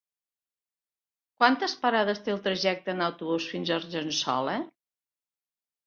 Quantes parades té el trajecte en autobús fins a Argençola?